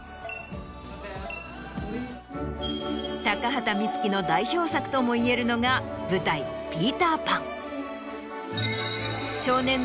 高畑充希の代表作ともいえるのが舞台『ピーターパン』。